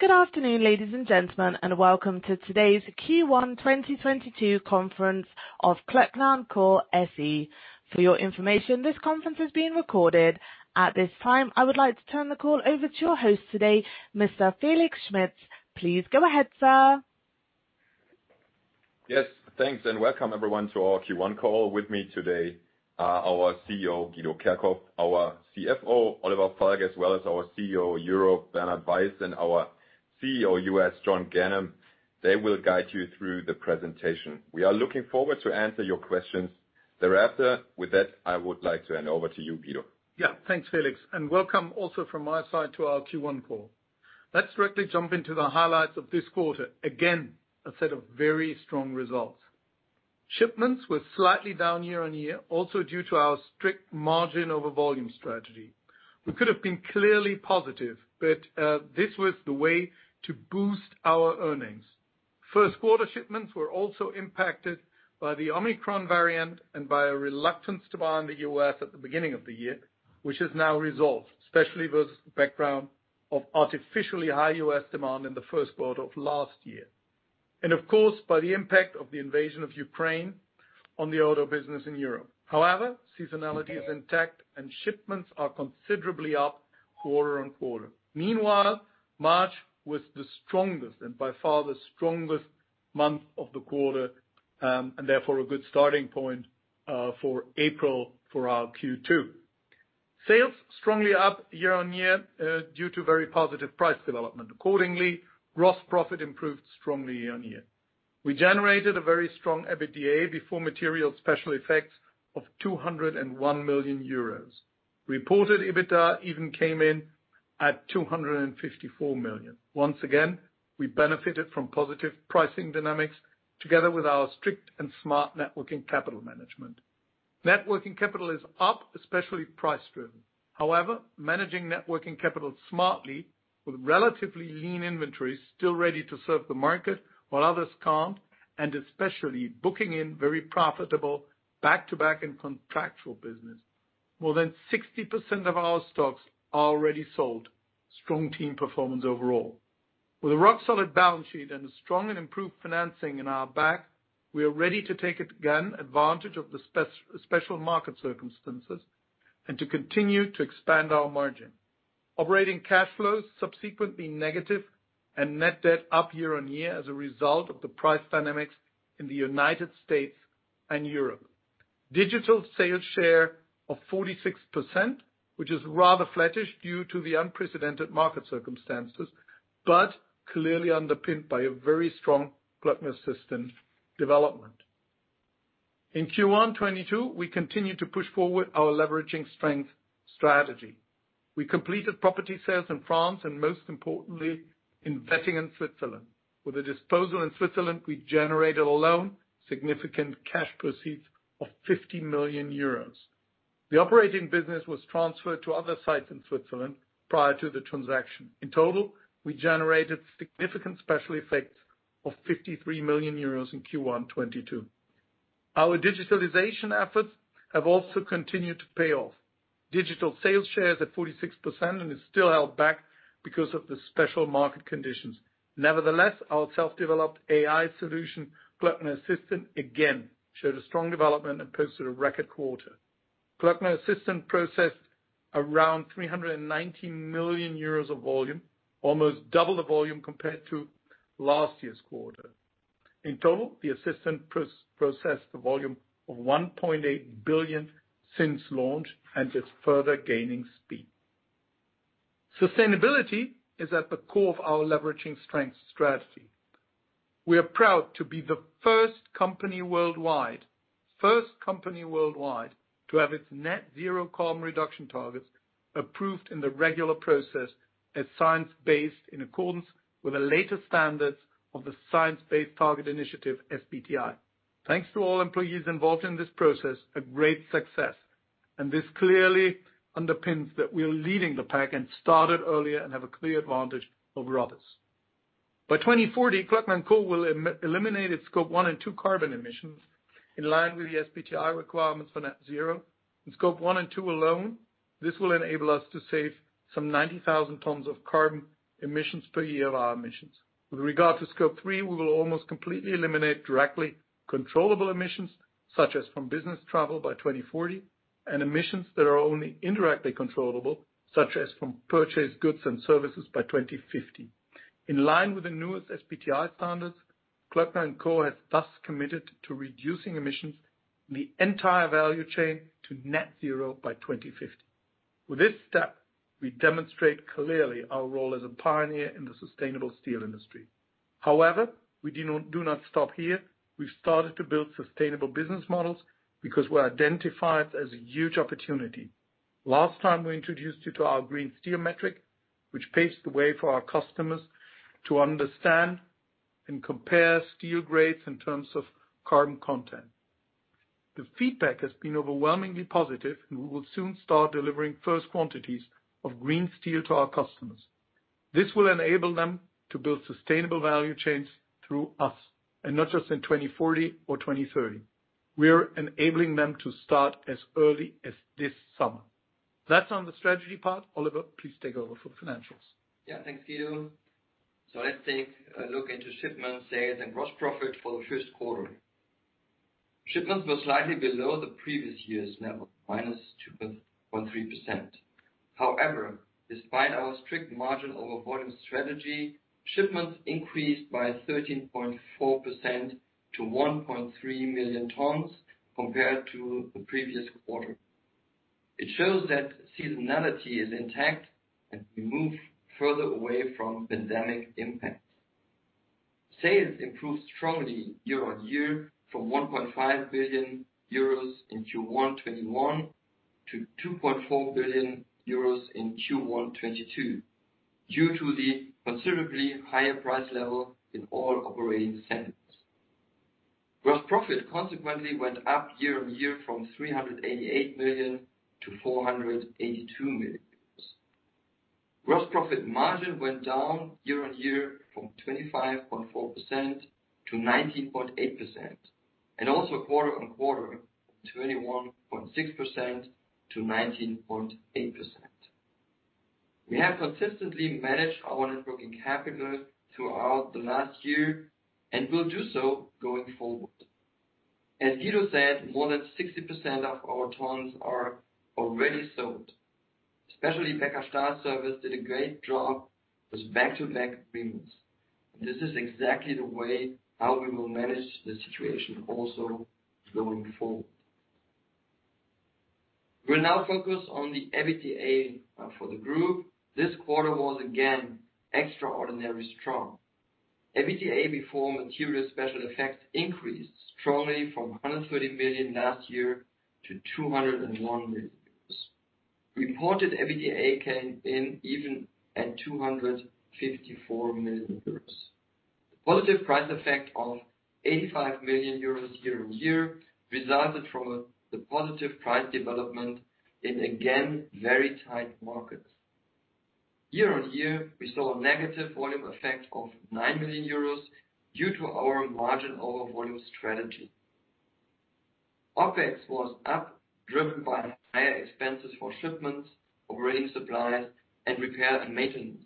Good afternoon, ladies and gentlemen, and welcome to today's Q1 2022 conference of Klöckner & Co SE. For your information, this conference is being recorded. At this time, I would like to turn the call over to your host today, Mr. Felix Schmitz. Please go ahead, sir. Yes, thanks, welcome everyone to our Q1 call. With me today, our CEO, Guido Kerkhoff, our CFO, Oliver Falk, as well as our CEO Europe, Bernhard Weiß, and our CEO US, John Ganem. They will guide you through the presentation. We are looking forward to answer your questions thereafter. With that, I would like to hand over to you, Guido. Yeah. Thanks, Felix, and welcome also from my side to our Q1 call. Let's directly jump into the highlights of this quarter. Again, a set of very strong results. Shipments were slightly down year-over-year, also due to our strict margin over volume strategy. We could have been clearly positive, but this was the way to boost our earnings. First quarter shipments were also impacted by the Omicron variant and by a reluctance to buy in the U.S. at the beginning of the year, which is now resolved, especially with background of artificially high U.S. demand in the first quarter of last year, and of course, by the impact of the invasion of Ukraine on the auto business in Europe. However, seasonality is intact and shipments are considerably up quarter-over-quarter. Meanwhile, March was the strongest, and by far the strongest month of the quarter, and therefore a good starting point for April, for our Q2. Sales strongly up year-on-year due to very positive price development. Accordingly, gross profit improved strongly year-on-year. We generated a very strong EBITDA before material special effects of 201 million euros. Reported EBITDA even came in at 254 million. Once again, we benefited from positive pricing dynamics together with our strict and smart working capital management. Net working capital is up, especially price-driven. However, managing net working capital smartly with relatively lean inventories still ready to serve the market while others can't, and especially booking in very profitable back-to-back and contractual business. More than 60% of our stocks are already sold. Strong team performance overall. With a rock solid balance sheet and a strong and improved financing behind us, we are ready to take advantage again of the special market circumstances, and to continue to expand our margin. Operating cash flows were subsequently negative, and net debt was up year-on-year as a result of the price dynamics in the United States and Europe. Digital sales share of 46%, which is rather flattish due to the unprecedented market circumstances, but clearly underpinned by a very strong Klöckner system development. In Q1 2022, we continued to push forward our leveraging strength strategy. We completed property sales in France, and most importantly, an investment in Switzerland. With a disposal in Switzerland, we generated significant cash proceeds of 50 million euros. The operating business was transferred to other sites in Switzerland prior to the transaction. In total, we generated significant special effects of 53 million euros in Q1 2022. Our digitalization efforts have also continued to pay off. Digital sales share is at 46% and is still held back because of the special market conditions. Nevertheless, our self-developed AI solution, Klöckner Assistant, again, showed a strong development and posted a record quarter. Klöckner Assistant processed around 390 million euros of volume, almost double the volume compared to last year's quarter. In total, the assistant processed the volume of 1.8 billion since launch, and it's further gaining speed. Sustainability is at the core of our leveraging strength strategy. We are proud to be the first company worldwide to have its net zero carbon reduction targets approved in the regular process as science-based in accordance with the latest standards of the Science Based Targets initiative, SBTi. Thanks to all employees involved in this process, a great success. This clearly underpins that we are leading the pack and started earlier and have a clear advantage over others. By 2040, Klöckner & Co. will eliminate its Scope 1 and 2 carbon emissions in line with the SBTi requirements for net zero. In Scope 1 and 2 alone, this will enable us to save some 90,000 tons of carbon emissions per year of our emissions. With regard to Scope 3, we will almost completely eliminate directly controllable emissions, such as from business travel by 2040, and emissions that are only indirectly controllable, such as from purchased goods and services by 2050. In line with the newest SBTi standards, Klöckner & Co. has thus committed to reducing emissions in the entire value chain to net zero by 2050. With this step, we demonstrate clearly our role as a pioneer in the sustainable steel industry. However, we do not stop here. We've started to build sustainable business models because we're identified as a huge opportunity. Last time, we introduced you to our green steel metric, which paves the way for our customers to understand and compare steel grades in terms of carbon content. The feedback has been overwhelmingly positive, and we will soon start delivering first quantities of green steel to our customers. This will enable them to build sustainable value chains through us, and not just in 2040 or 2030. We're enabling them to start as early as this summer. That's on the strategy part. Oliver, please take over for the financials. Yeah, thanks, Guido. Let's take a look into shipments, sales and gross profit for the first quarter. Shipments were slightly below the previous year's level, -2.3%. However, despite our strict margin over volume strategy, shipments increased by 13.4% to 1.3 million tons compared to the previous quarter. It shows that seasonality is intact, and we move further away from pandemic impacts. Sales improved strongly year-on-year from 1.5 billion euros in Q1 2021 to 2.4 billion euros in Q1 2022, due to the considerably higher price level in all operating centers. Gross profit consequently went up year-on-year from 388 million to 482 million euros. Gross profit margin went down year-on-year from 25.4% to 19.8%, and also quarter-on-quarter, from 21.6% to 19.8%. We have consistently managed our net working capital throughout the last year and will do so going forward. As Guido said, more than 60% of our tons are already sold. Especially, Becker Stahl-Service did a great job with back-to-back agreements. This is exactly the way how we will manage the situation also going forward. We'll now focus on the EBITDA for the group. This quarter was again, extraordinarily strong. EBITDA before material special effects increased strongly from 130 million last year to 201 million euros. Reported EBITDA came in even at 254 million euros. The positive price effect of 85 million euros year-on-year resulted from the positive price development in, again, very tight markets. Year-on-year, we saw a negative volume effect of 9 million euros due to our margin over volume strategy. OpEx was up, driven by higher expenses for shipments, operating supplies, and repair and maintenance,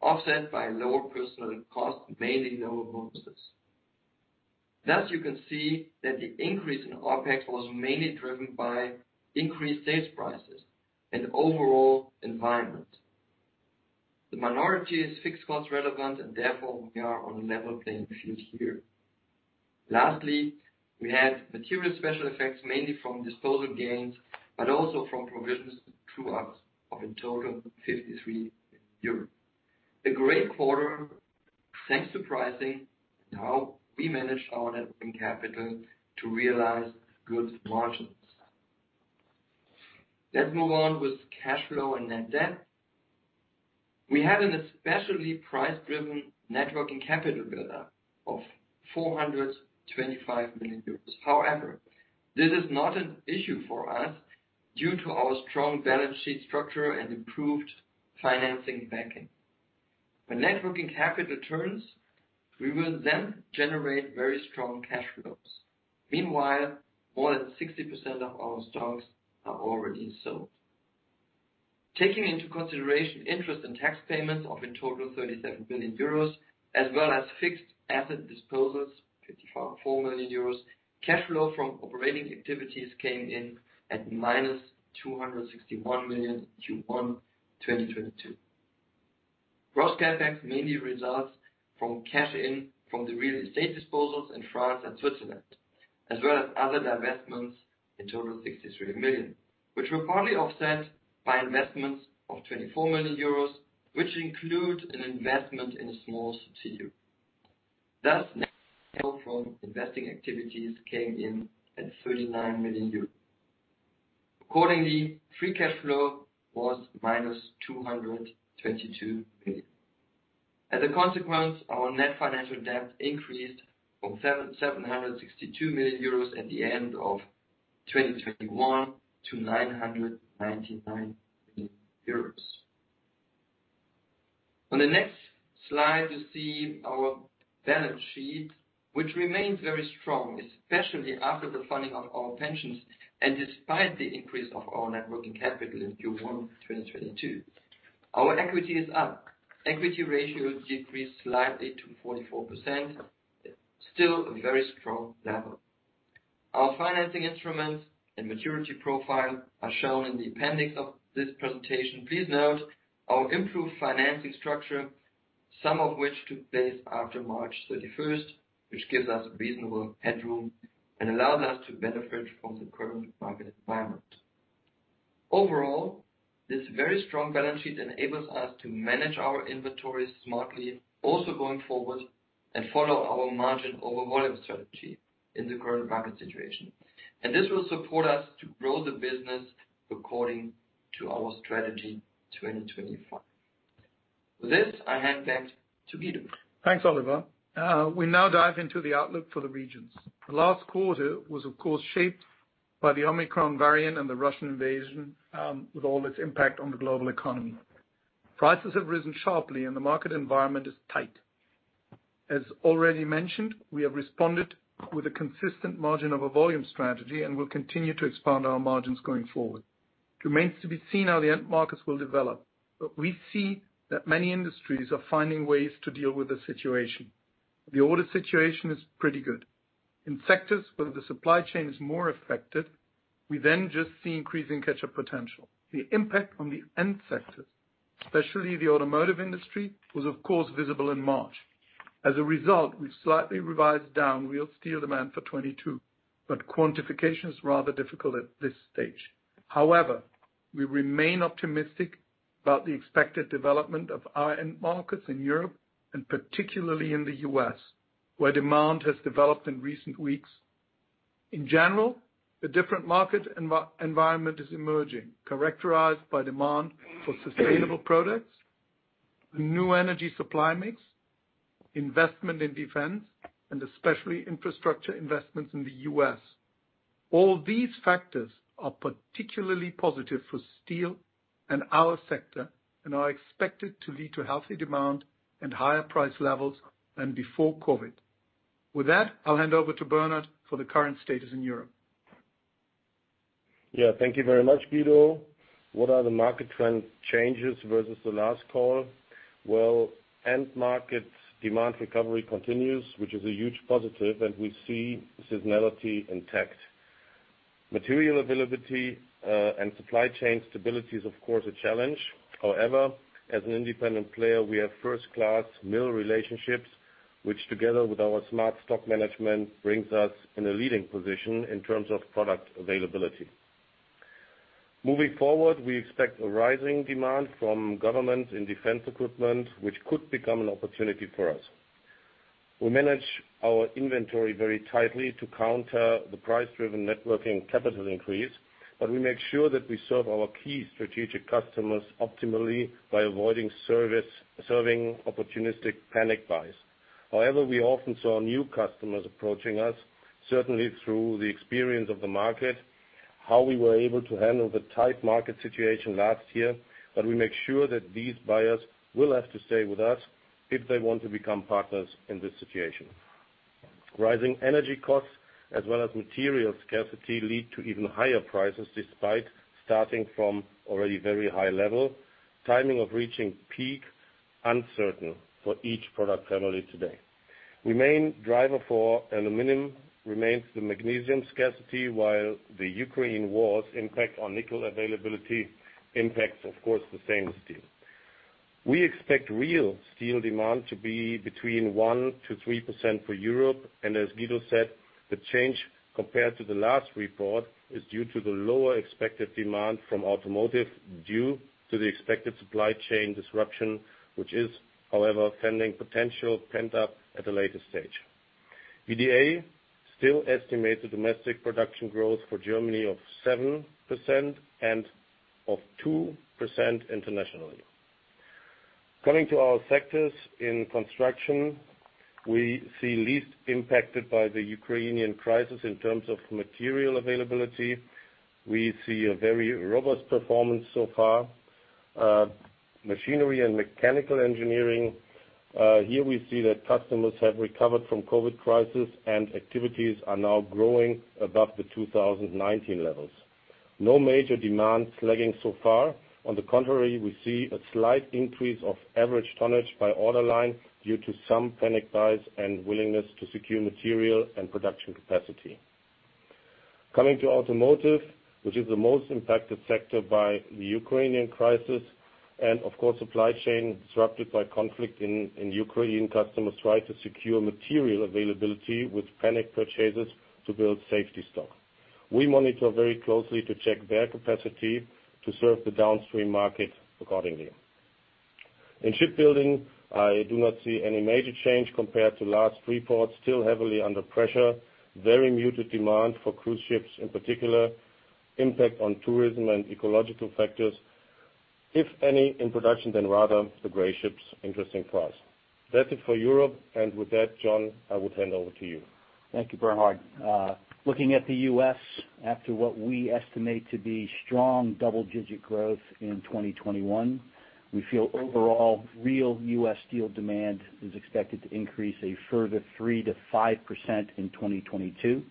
offset by lower personnel costs, mainly lower bonuses. Thus, you can see that the increase in OpEx was mainly driven by increased sales prices and overall environment. The majority is fixed cost relevant, and therefore, we are on a level playing field here. Lastly, we had material special effects, mainly from disposal gains, but also from provisions true-ups of in total 53 million. A great quarter, thanks to pricing and how we managed our net working capital to realize good margins. Let's move on with cash flow and net debt. We had an especially price-driven net working capital build-up of 425 million euros. However, this is not an issue for us due to our strong balance sheet structure and improved bank financing. When net working capital turns, we will then generate very strong cash flows. Meanwhile, more than 60% of our stocks are already sold. Taking into consideration interest and tax payments of in total 37 million euros, as well as fixed asset disposals, 54 million euros, cash flow from operating activities came in at -261 million Q1 2022. Gross cash mainly results from cash in from the real estate disposals in France and Switzerland, as well as other divestments, in total 63 million, which were partly offset by investments of 24 million euros, which include an investment in a small CTU. Thus, net cash flow from investing activities came in at 39 million euros. Accordingly, free cash flow was -222 million euros. As a consequence, our net financial debt increased from 762 million euros at the end of 2021 to 999 million euros. On the next slide, you see our balance sheet, which remains very strong, especially after the funding of our pensions and despite the increase of our net working capital in Q1 2022. Our equity is up. Equity ratio decreased slightly to 44%. Still a very strong level. Our financing instruments and maturity profile are shown in the appendix of this presentation. Please note our improved financing structure, some of which took place after March 31st, which gives us reasonable headroom and allows us to benefit from the current market environment. Overall, this very strong balance sheet enables us to manage our inventory smartly, also going forward, and follow our margin over volume strategy in the current market situation. This will support us to grow the business according to our strategy 2025. With this, I hand back to Guido. Thanks, Oliver. We now dive into the outlook for the regions. The last quarter was, of course, shaped by the Omicron variant and the Russian invasion, with all its impact on the global economy. Prices have risen sharply and the market environment is tight. As already mentioned, we have responded with a consistent margin-over-volume strategy and will continue to expand our margins going forward. It remains to be seen how the end markets will develop, but we see that many industries are finding ways to deal with the situation. The order situation is pretty good. In sectors where the supply chain is more affected, we then just see increasing catch-up potential. The impact on the end sectors, especially the automotive industry, was of course visible in March. As a result, we've slightly revised down real steel demand for 2022, but quantification is rather difficult at this stage. However, we remain optimistic about the expected development of our end markets in Europe, and particularly in the U.S., where demand has developed in recent weeks. In general, the different market environment is emerging, characterized by demand for sustainable products, new energy supply mix, investment in defense, and especially infrastructure investments in the U.S. All these factors are particularly positive for steel and our sector, and are expected to lead to healthy demand and higher price levels than before COVID. With that, I'll hand over to Bernhard for the current status in Europe. Yeah. Thank you very much, Guido. What are the market trend changes versus the last call? Well, end markets demand recovery continues, which is a huge positive, and we see seasonality intact. Material availability and supply chain stability is, of course, a challenge. However, as an independent player, we have first-class mill relationships, which together with our smart stock management, brings us in a leading position in terms of product availability. Moving forward, we expect a rising demand from government in defense equipment, which could become an opportunity for us. We manage our inventory very tightly to counter the price-driven net working capital increase, but we make sure that we serve our key strategic customers optimally by avoiding serving opportunistic panic buys. However, we often saw new customers approaching us, certainly through the experience of the market, how we were able to handle the tight market situation last year, but we make sure that these buyers will have to stay with us if they want to become partners in this situation. Rising energy costs as well as material scarcity lead to even higher prices despite starting from already very high level. Timing of reaching peak uncertain for each product family today. Main driver for aluminum remains the magnesium scarcity, while the Ukraine war's impact on nickel availability impacts, of course, stainless steel. We expect real steel demand to be between 1%-3% for Europe, and as Guido said, the change compared to the last report is due to the lower expected demand from automotive due to the expected supply chain disruption, which is, however, pending potential pent up at a later stage. VDA still estimates the domestic production growth for Germany of 7% and of 2% internationally. Coming to our sectors in construction, we see least impacted by the Ukrainian crisis in terms of material availability. We see a very robust performance so far. Machinery and mechanical engineering, here we see that customers have recovered from COVID crisis and activities are now growing above the 2019 levels. No major demand lagging so far. On the contrary, we see a slight increase of average tonnage by order line due to some panic buys and willingness to secure material and production capacity. Coming to automotive, which is the most impacted sector by the Ukrainian crisis, and of course, supply chain disrupted by conflict in Ukraine. Customers try to secure material availability with panic purchases to build safety stock. We monitor very closely to check their capacity to serve the downstream market accordingly. In shipbuilding, I do not see any major change compared to last report, still heavily under pressure. Very muted demand for cruise ships, in particular, impact on tourism and ecological factors. If any, in production, then rather the gray ships interesting for us. That's it for Europe. With that, John, I would hand over to you. Thank you, Bernhard. Looking at the U.S., after what we estimate to be strong double-digit growth in 2021, we feel overall real U.S. steel demand is expected to increase a further 3%-5% in 2022,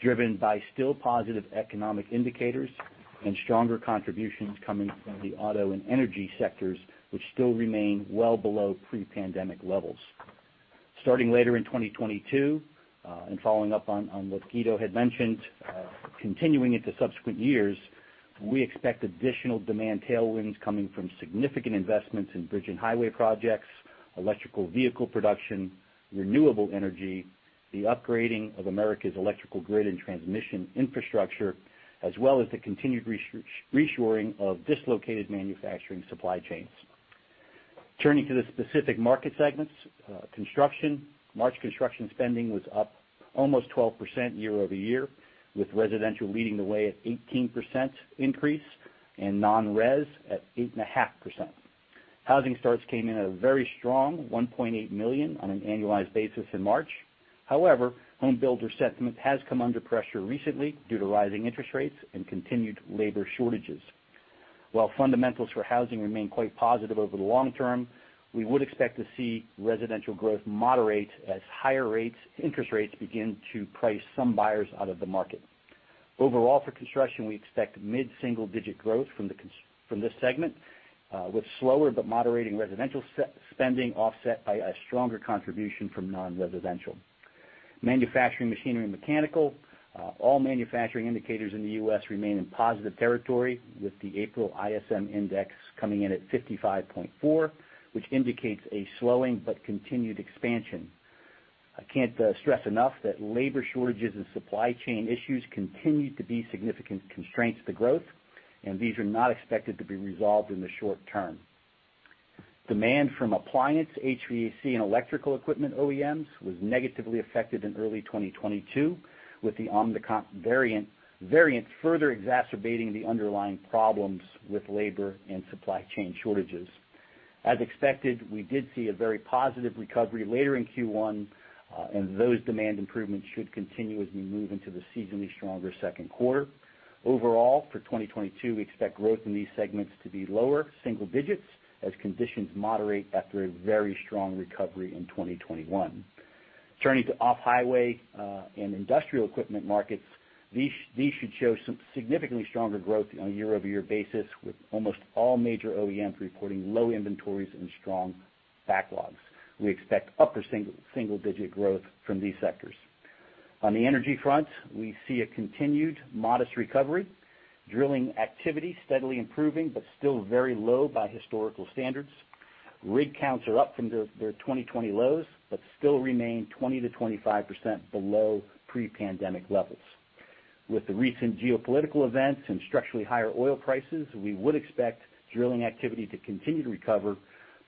driven by still positive economic indicators and stronger contributions coming from the auto and energy sectors, which still remain well below pre-pandemic levels. Starting later in 2022, and following up on what Guido had mentioned, continuing into subsequent years, we expect additional demand tailwinds coming from significant investments in bridge and highway projects, electric vehicle production, renewable energy, the upgrading of America's electrical grid and transmission infrastructure, as well as the continued reshoring of dislocated manufacturing supply chains. Turning to the specific market segments. Construction. March construction spending was up almost 12% year-over-year, with residential leading the way at 18% increase and non-residential at 8.5%. Housing starts came in at a very strong 1.8 million on an annualized basis in March. However, home builder sentiment has come under pressure recently due to rising interest rates and continued labor shortages. While fundamentals for housing remain quite positive over the long term, we would expect to see residential growth moderate as higher interest rates begin to price some buyers out of the market. Overall, for construction, we expect mid-single-digit growth from this segment, with slower but moderating residential spending offset by a stronger contribution from non-residential. Manufacturing, machinery and mechanical, all manufacturing indicators in the U.S. remain in positive territory, with the April ISM Index coming in at 55.4, which indicates a slowing but continued expansion. I can't stress enough that labor shortages and supply chain issues continue to be significant constraints to growth, and these are not expected to be resolved in the short term. Demand from appliance, HVAC, and electrical equipment OEMs was negatively affected in early 2022, with the Omicron variant further exacerbating the underlying problems with labor and supply chain shortages. As expected, we did see a very positive recovery later in Q1, and those demand improvements should continue as we move into the seasonally stronger second quarter. Overall, for 2022, we expect growth in these segments to be lower single digits as conditions moderate after a very strong recovery in 2021. Turning to off-highway and industrial equipment markets, these should show some significantly stronger growth on a year-over-year basis, with almost all major OEMs reporting low inventories and strong backlogs. We expect upper single-digit growth from these sectors. On the energy front, we see a continued modest recovery. Drilling activity steadily improving but still very low by historical standards. Rig counts are up from their 2020 lows, but still remain 20%-25% below pre-pandemic levels. With the recent geopolitical events and structurally higher oil prices, we would expect drilling activity to continue to recover,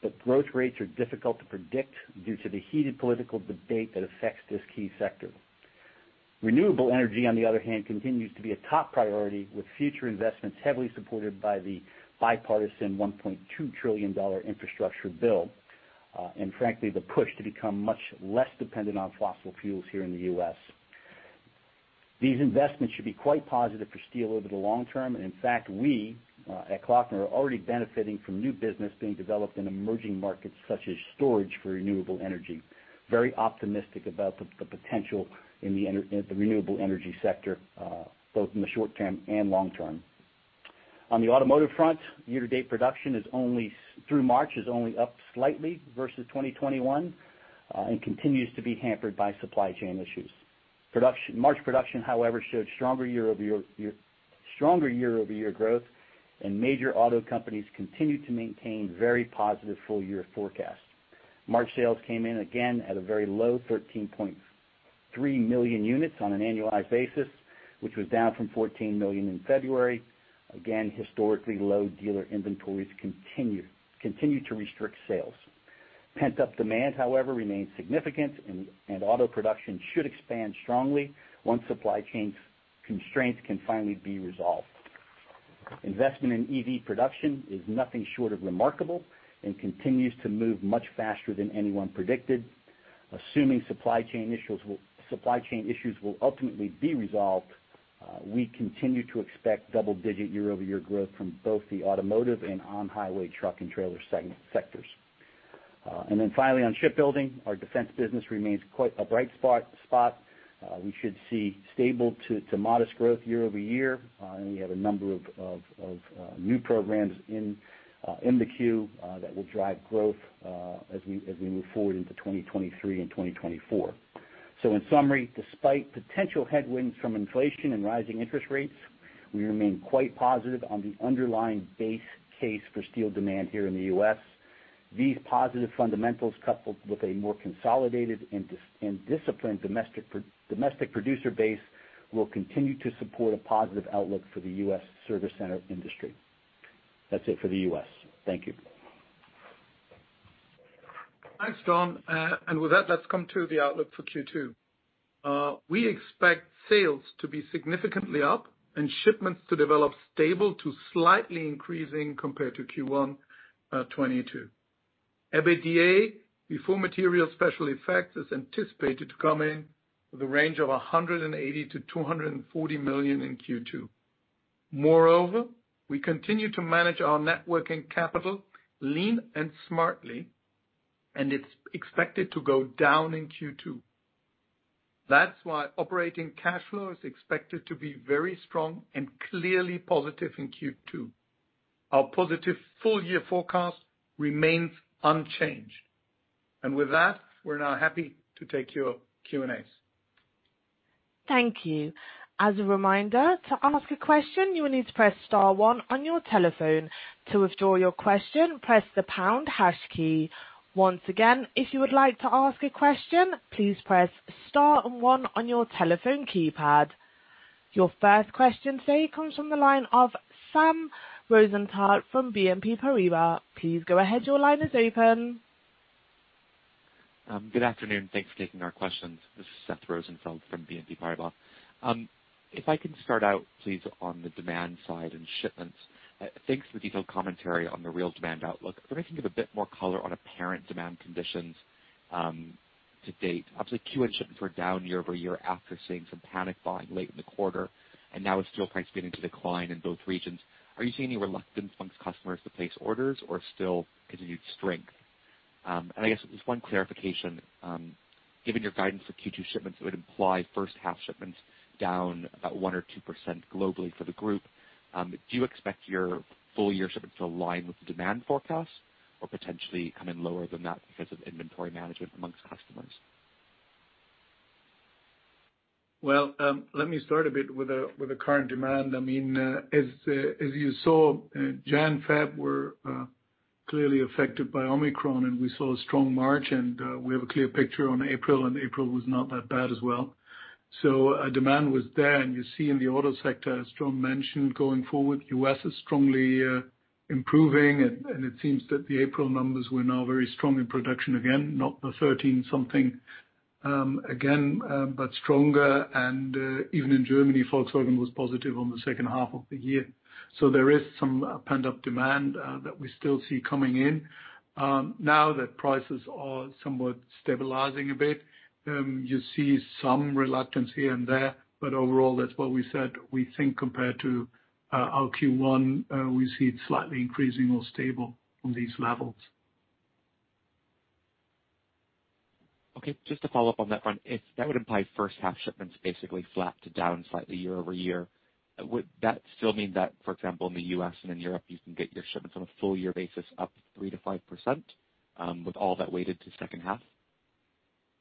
but growth rates are difficult to predict due to the heated political debate that affects this key sector. Renewable energy, on the other hand, continues to be a top priority, with future investments heavily supported by the bipartisan $1.2 trillion infrastructure bill, and frankly, the push to become much less dependent on fossil fuels here in the US. These investments should be quite positive for steel over the long term. In fact, we at Klöckner are already benefiting from new business being developed in emerging markets such as storage for renewable energy. Very optimistic about the potential in the renewable energy sector, both in the short term and long term. On the automotive front, year-to-date production through March is only up slightly versus 2021, and continues to be hampered by supply chain issues. March production, however, showed stronger year-over-year growth, and major auto companies continue to maintain very positive full-year forecasts. March sales came in again at a very low 13.3 million units on an annualized basis, which was down from 14 million in February. Historically low dealer inventories continue to restrict sales. Pent-up demand, however, remains significant, and auto production should expand strongly once supply chain constraints can finally be resolved. Investment in EV production is nothing short of remarkable and continues to move much faster than anyone predicted. Assuming supply chain issues will ultimately be resolved, we continue to expect double-digit year-over-year growth from both the automotive and on-highway truck and trailer sectors. Finally on shipbuilding, our defense business remains quite a bright spot. We should see stable to modest growth year-over-year, and we have a number of new programs in the queue that will drive growth as we move forward into 2023 and 2024. In summary, despite potential headwinds from inflation and rising interest rates, we remain quite positive on the underlying base case for steel demand here in the US. These positive fundamentals, coupled with a more consolidated and disciplined domestic producer base, will continue to support a positive outlook for the US service center industry. That's it for the US. Thank you. Thanks, John Ganem. With that, let's come to the outlook for Q2. We expect sales to be significantly up and shipments to develop stable to slightly increasing compared to Q1, 2022. EBITDA before material special effects is anticipated to come in with a range of 180 million-240 million in Q2. Moreover, we continue to manage our net working capital lean and smartly, and it's expected to go down in Q2. That's why operating cash flow is expected to be very strong and clearly positive in Q2. Our positive full-year forecast remains unchanged. With that, we're now happy to take your Q&As. Thank you. As a reminder, to ask a question, you will need to press star one on your telephone. To withdraw your question, press the pound hash key. Once again, if you would like to ask a question, please press star and one on your telephone keypad. Your first question today comes from the line of Seth Rosenfeld from BNP Paribas. Please go ahead. Your line is open. Good afternoon. Thanks for taking our questions. This is Seth Rosenfeld from BNP Paribas. If I can start out please on the demand side and shipments. Thanks for the detailed commentary on the real demand outlook. Wondering if you could give a bit more color on apparent demand conditions, to date. Obviously Q1 shipments were down year-over-year after seeing some panic buying late in the quarter, and now with steel prices beginning to decline in both regions. Are you seeing any reluctance among customers to place orders or still continued strength? I guess just one clarification, given your guidance for Q2 shipments, it would imply first half shipments down about 1% or 2% globally for the group. Do you expect your full year shipments to align with the demand forecast or potentially come in lower than that because of inventory management among customers? Well, let me start a bit with the current demand. I mean, as you saw, January, February were clearly affected by Omicron, and we saw a strong March, and we have a clear picture on April, and April was not that bad as well. Demand was there, and you see in the auto sector, as John mentioned, going forward, U.S. is strongly improving and it seems that the April numbers were now very strong in production again, not the 13 something again, but stronger and even in Germany, Volkswagen was positive on the second half of the year. There is some pent-up demand that we still see coming in. Now that prices are somewhat stabilizing a bit, you see some reluctance here and there, but overall, that's what we said. We think compared to our Q1, we see it slightly increasing or stable on these levels. Okay. Just to follow up on that front. If that would imply first half shipments basically flat to down slightly year-over-year, would that still mean that, for example, in the U.S. and in Europe, you can get your shipments on a full year basis up 3%-5%, with all that weighted to second half?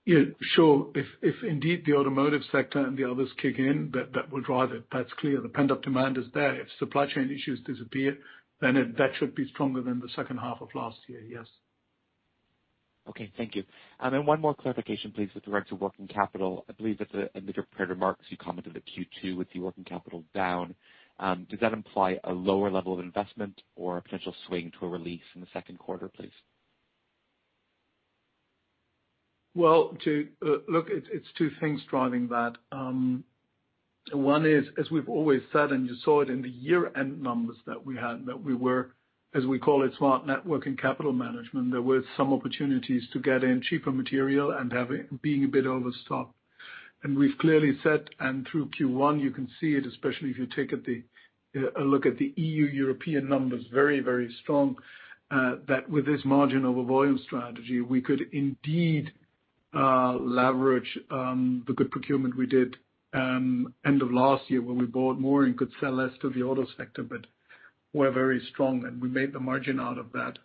Yeah, sure. If indeed the automotive sector and the others kick in, that will drive it. That's clear. The pent-up demand is there. If supply chain issues disappear, then that should be stronger than the second half of last year. Yes. Okay. Thank you. One more clarification, please, with regard to working capital. I believe that in your prepared remarks, you commented that Q2 with your working capital down does that imply a lower level of investment or a potential swing to a release in the second quarter, please? Look, it's two things driving that. One is, as we've always said, and you saw it in the year-end numbers that we had, that we were, as we call it, smart net working capital management. There were some opportunities to get in cheaper material and have it being a bit overstocked. We've clearly said, and through Q1, you can see it, especially if you take a look at the European numbers, very, very strong, that with this margin over volume strategy, we could indeed leverage the good procurement we did end of last year when we bought more and could sell less to the auto sector. We're very strong, and we made the margin out of that.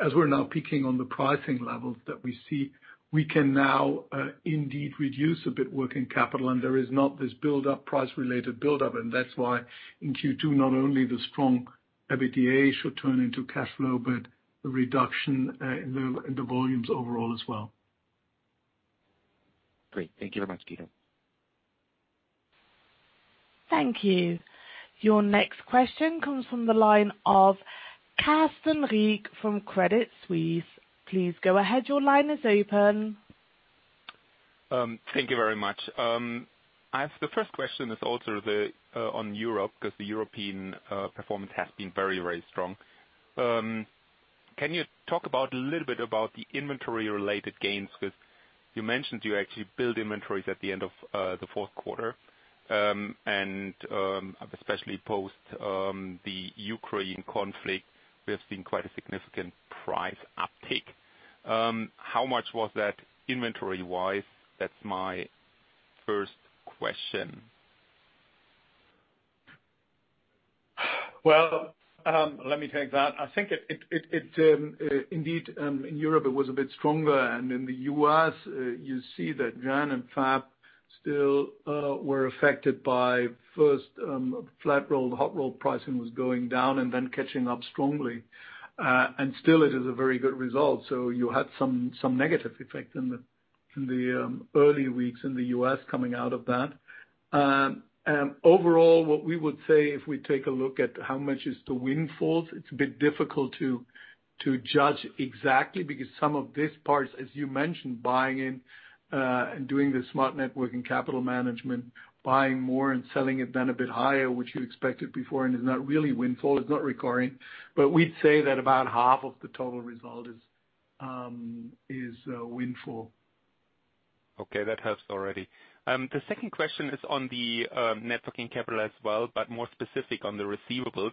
As we're now peaking on the pricing levels that we see, we can now indeed reduce a bit working capital, and there is not this buildup, price-related buildup. That's why in Q2, not only the strong EBITDA should turn into cash flow, but the reduction in the volumes overall as well. Great. Thank you very much, Guido. Thank you. Your next question comes from the line of Carsten Riek from Credit Suisse. Please go ahead. Your line is open. Thank you very much. The first question is also the on Europe, 'cause the European performance has been very, very strong. Can you talk about a little bit about the inventory-related gains? 'Cause you mentioned you actually build inventories at the end of the fourth quarter. Especially post the Ukraine conflict, we have seen quite a significant price uptick. How much was that inventory-wise? That's my first question. Well, let me take that. I think it indeed in Europe, it was a bit stronger. In the US, you see that January and February still were affected by first flat-rolled, hot-rolled pricing was going down and then catching up strongly. Still it is a very good result. You had some negative effect in the early weeks in the US coming out of that. Overall, what we would say if we take a look at how much is the windfalls, it's a bit difficult to judge exactly because some of these parts, as you mentioned, buying in and doing the smart network and capital management, buying more and selling it then a bit higher, which you expected before and is not really windfall. It's not recurring. We'd say that about half of the total result is windfall. Okay, that helps already. The second question is on the net working capital as well, but more specific on the receivables.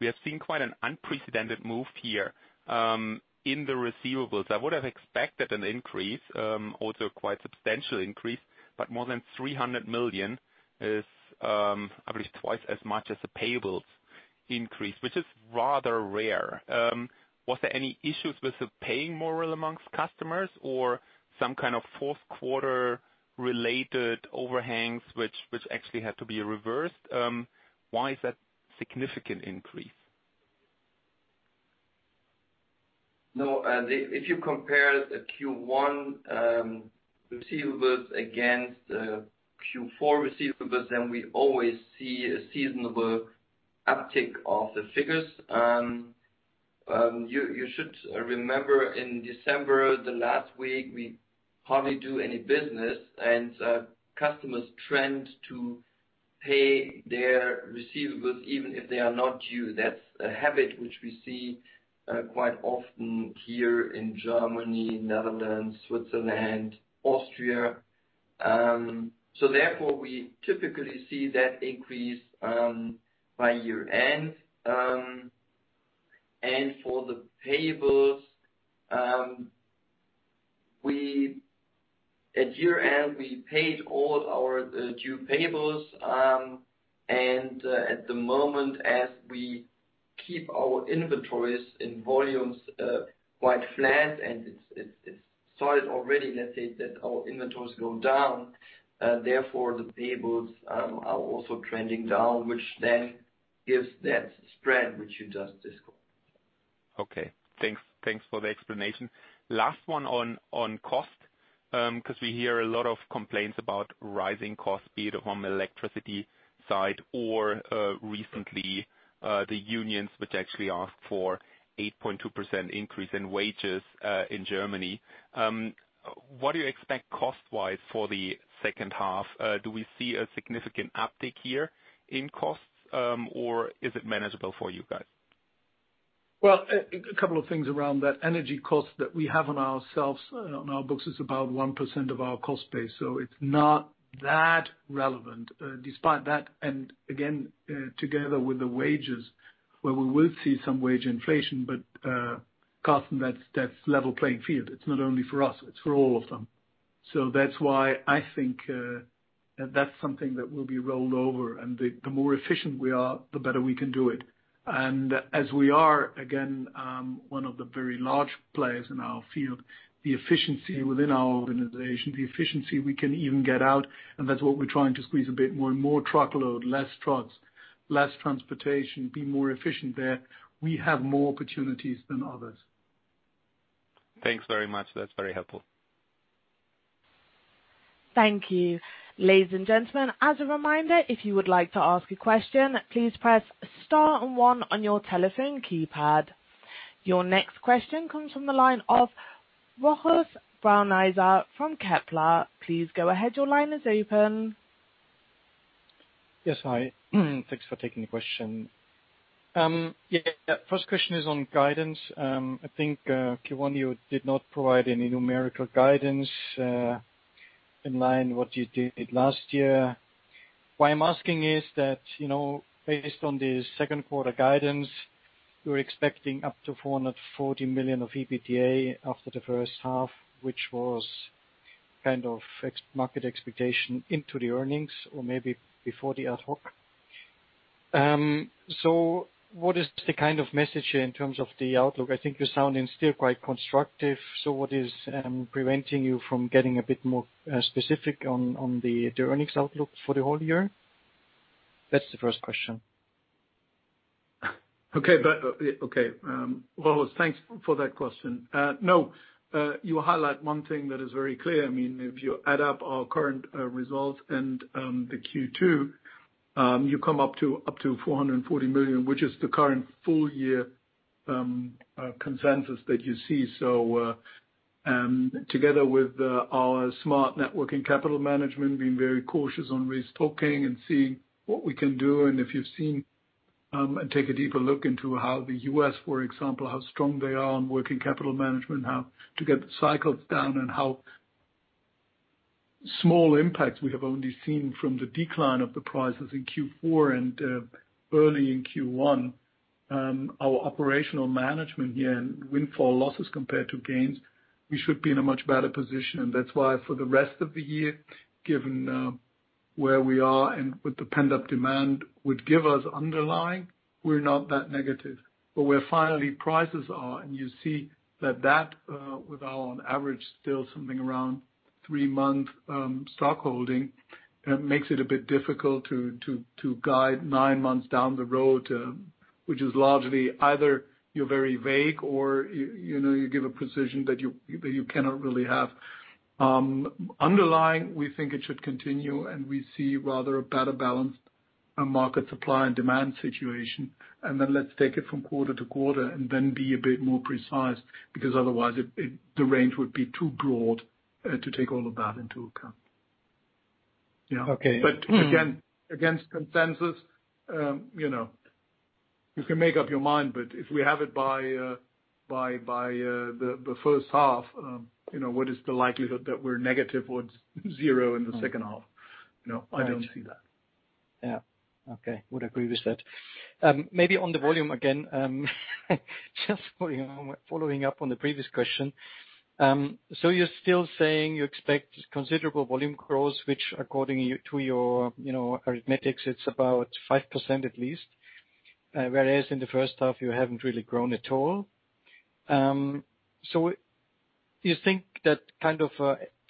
We have seen quite an unprecedented move here in the receivables. I would have expected an increase, also quite substantial increase, but more than 300 million is, I believe twice as much as the payables increase, which is rather rare. Was there any issues with the payment morale amongst customers or some kind of fourth quarter related overhangs which actually had to be reversed? Why is that significant increase? No, if you compare the Q1 receivables against the Q4 receivables, then we always see a seasonal uptick of the figures. You should remember in December, the last week, we hardly do any business, and customers tend to pay their receivables even if they are not due. That's a habit which we see quite often here in Germany, Netherlands, Switzerland, Austria. Therefore, we typically see that increase by year-end. For the payables, at year-end, we paid all our due payables. At the moment, as we keep our inventories in volumes quite flat, and it's solid already, let's say that our inventories go down. Therefore, the payables are also trending down, which then gives that spread which you just discussed. Okay. Thanks for the explanation. Last one on cost, 'cause we hear a lot of complaints about rising costs, be it from electricity side or recently, the unions, which actually ask for 8.2% increase in wages in Germany. What do you expect cost-wise for the second half? Do we see a significant uptick here in costs, or is it manageable for you guys? Well, a couple of things around that. Energy costs that we have on ourselves, on our books is about 1% of our cost base, so it's not that relevant. Despite that, and again, together with the wages, where we will see some wage inflation, but, Carsten, that's level playing field. It's not only for us, it's for all of them. That's why I think, that's something that will be rolled over. The more efficient we are, the better we can do it. As we are, again, one of the very large players in our field, the efficiency within our organization, the efficiency we can even get out, and that's what we're trying to squeeze a bit more. More truckload, less trucks, less transportation, be more efficient there. We have more opportunities than others. Thanks very much. That's very helpful. Thank you. Ladies and gentlemen, as a reminder, if you would like to ask a question, please press star and one on your telephone keypad. Your next question comes from the line of Rochus Brauneiser from Kepler Cheuvreux. Please go ahead. Your line is open. Yes. Hi. Thanks for taking the question. First question is on guidance. I think, Kıvanç, you did not provide any numerical guidance, in line with what you did last year. Why I'm asking is that, you know, based on the second quarter guidance, you're expecting up to 440 million of EBITDA after the first half, which was kind of market expectation into the earnings or maybe before the ad hoc. So what is the kind of message here in terms of the outlook? I think you're sounding still quite constructive, so what is preventing you from getting a bit more specific on the earnings outlook for the whole year? That's the first question. Rochus, thanks for that question. No, you highlight one thing that is very clear. I mean, if you add up our current results and the Q2, you come up to 440 million, which is the current full year consensus that you see. Together with our smart working capital management, being very cautious on restocking and seeing what we can do, and if you've seen and take a deeper look into how the U.S., for example, how strong they are on working capital management, how to get the cycles down, and how small impacts we have only seen from the decline of the prices in Q4 and early in Q1. Our operational management here and windfall losses compared to gains, we should be in a much better position. That's why for the rest of the year, given where we are and what the pent-up demand would give us underlying, we're not that negative. Where finally prices are, and you see that with our, on average, still something around three-month stock holding, makes it a bit difficult to guide nine months down the road, which is largely either you're very vague or you know, you give a precision that you cannot really have. Underlying, we think it should continue, and we see rather a better balanced market supply and demand situation. Let's take it from quarter to quarter and then be a bit more precise, because otherwise it, the range would be too broad to take all of that into account. Yeah. Okay. Again, against consensus, you know, you can make up your mind, but if we have it by the first half, you know, what is the likelihood that we're negative or zero in the second half? You know, I don't see that. Yeah. Okay. Would agree with that. Maybe on the volume again, just following up on the previous question. So you're still saying you expect considerable volume growth, which according to your, you know, arithmetics, it's about 5% at least. Whereas in the first half you haven't really grown at all. So you think that kind of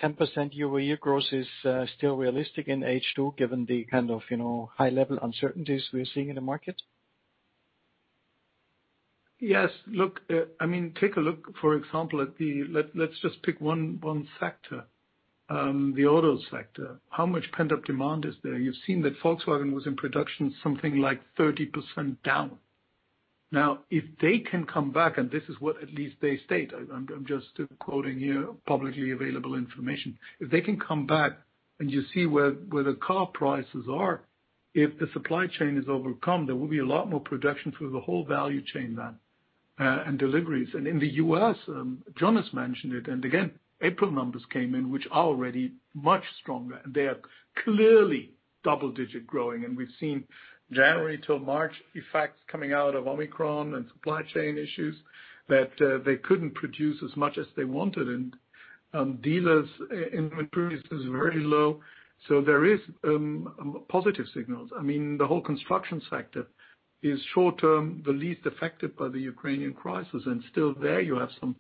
10% year-over-year growth is still realistic in H2, given the kind of, you know, high-level uncertainties we're seeing in the market? Yes. Look, I mean, take a look, for example, let's just pick one factor. The auto sector, how much pent-up demand is there? You've seen that Volkswagen was in production something like 30% down. Now, if they can come back, and this is what at least they state, I'm just quoting here publicly available information. If they can come back and you see where the car prices are, if the supply chain is overcome, there will be a lot more production through the whole value chain then, and deliveries. In the US, John has mentioned it, and again, April numbers came in, which are already much stronger, and they are clearly double-digit growing. We've seen January till March effects coming out of Omicron and supply chain issues that they couldn't produce as much as they wanted. Dealers' inventory is very low. There is positive signals. I mean, the whole construction sector is short-term, the least affected by the Ukrainian crisis, and still there you have some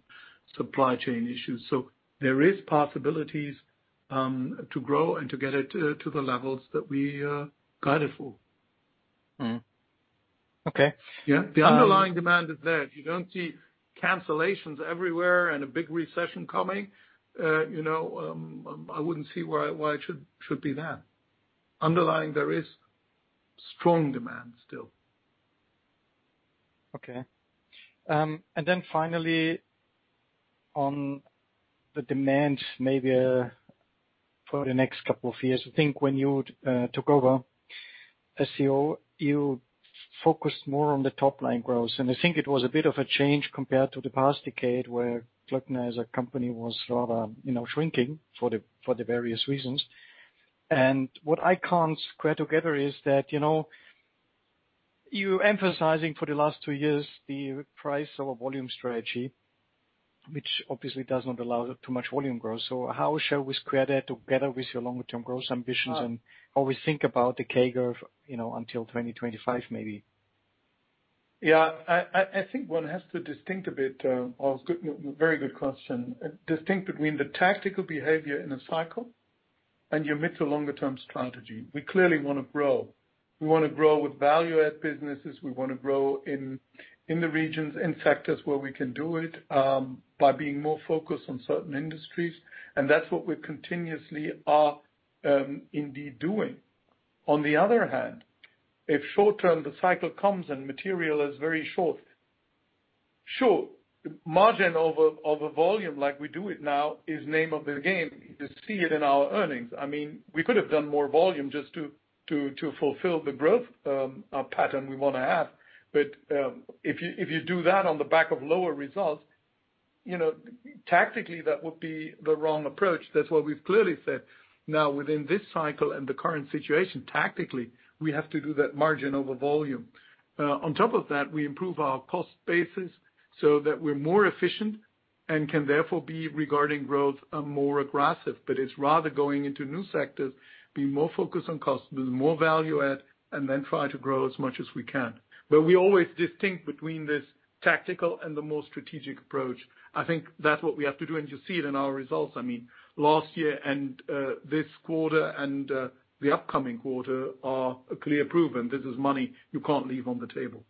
supply chain issues. There is possibilities to grow and to get it to the levels that we guide it for. Okay. Yeah. The underlying demand is there. You don't see cancellations everywhere and a big recession coming. I wouldn't see why it should be that. Underlying there is strong demand still. Okay. Then finally on the demand, maybe, for the next couple of years, I think when you took over as CEO, you focused more on the top-line growth. I think it was a bit of a change compared to the past decade, where Klöckner & Co as a company was rather, you know, shrinking for the various reasons. What I can't square together is that, you know, you're emphasizing for the last two years the price over volume strategy, which obviously does not allow too much volume growth. How shall we square that together with your long-term growth ambitions and how we think about the K curve, you know, until 2025 maybe? Yeah. I think one has to distinguish a bit. Oh, good, very good question. Distinguish between the tactical behavior in a cycle and your mid- to long-term strategy. We clearly wanna grow. We wanna grow with value-added businesses. We wanna grow in the regions, in sectors where we can do it by being more focused on certain industries. That's what we continuously are indeed doing. On the other hand, if short-term the cycle comes and material is very short, sure, margin over volume like we do it now is name of the game. You see it in our earnings. I mean, we could have done more volume just to fulfill the growth pattern we wanna have. If you do that on the back of lower results, you know, tactically that would be the wrong approach. That's what we've clearly said. Now within this cycle and the current situation, tactically, we have to do that margin over volume. On top of that, we improve our cost basis so that we're more efficient and can therefore be regarding growth, more aggressive. It's rather going into new sectors, be more focused on customers, more value add, and then try to grow as much as we can. We always distinguish between this tactical and the more strategic approach. I think that's what we have to do, and you see it in our results. I mean, last year and this quarter and the upcoming quarter are a clear proof. This is money you can't leave on the table.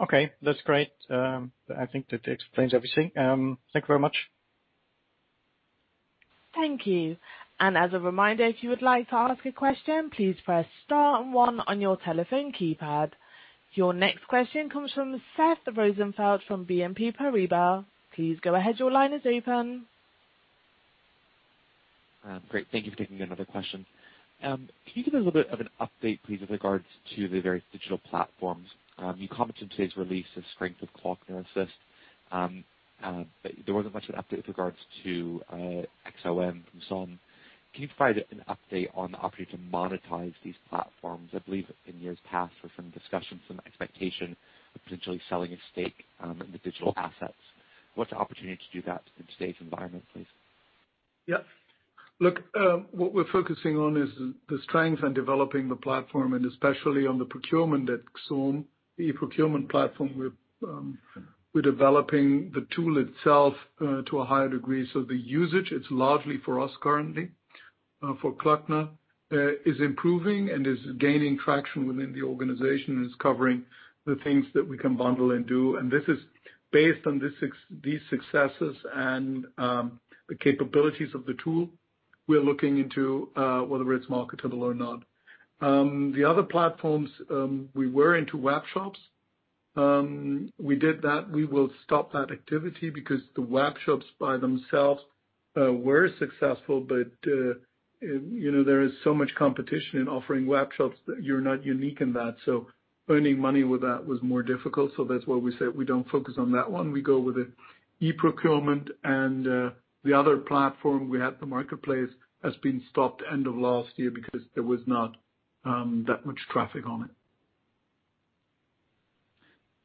Okay, that's great. I think that explains everything. Thank you very much. Thank you. As a reminder, if you would like to ask a question, please press star and one on your telephone keypad. Your next question comes from Seth Rosenfeld from BNP Paribas. Please go ahead, your line is open. Great. Thank you for taking another question. Can you give a little bit of an update, please, with regards to the various digital platforms? You commented in today's release the strength of Klöckner Assistant. There wasn't much of an update with regards to XOM Materials. Can you provide an update on the opportunity to monetize these platforms? I believe in years past, there were some discussions and expectation of potentially selling a stake in the digital assets. What's the opportunity to do that in today's environment, please? Yeah. Look, what we're focusing on is the strength in developing the platform, and especially on the procurement at XOM, the e-procurement platform. We're developing the tool itself to a higher degree. The usage, it's largely for us currently for Klöckner is improving and is gaining traction within the organization and is covering the things that we can bundle and do. This is based on these successes and the capabilities of the tool, we're looking into whether it's marketable or not. The other platforms, we were into webshops. We did that. We will stop that activity because the webshops by themselves were successful. You know, there is so much competition in offering webshops that you're not unique in that. Earning money with that was more difficult. That's why we said we don't focus on that one. We go with the e-procurement and, the other platform we had, the marketplace, has been stopped end of last year because there was not that much traffic on it.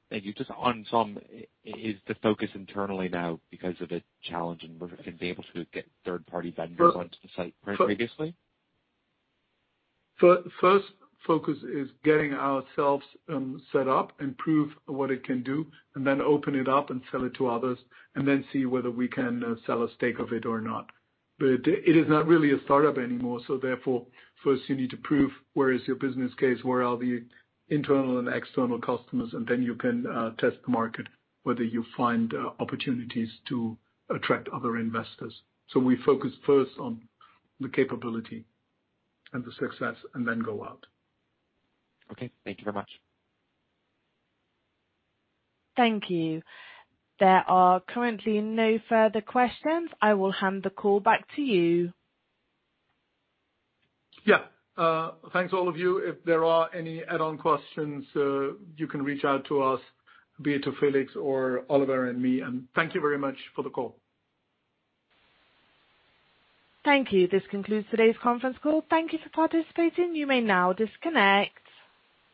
Thank you. Just on XOM, is the focus internally now because of the challenge in being able to get third-party vendors onto the site previously? First focus is getting ourselves set up and prove what it can do, and then open it up and sell it to others, and then see whether we can sell a stake of it or not. It is not really a startup anymore. Therefore, first you need to prove where is your business case, where are the internal and external customers, and then you can test the market, whether you find opportunities to attract other investors. We focus first on the capability and the success and then go out. Okay. Thank you very much. Thank you. There are currently no further questions. I will hand the call back to you. Yeah. Thanks all of you. If there are any add-on questions, you can reach out to us, be it to Felix or Oliver and me. Thank you very much for the call. Thank you. This concludes today's conference call. Thank you for participating. You may now disconnect.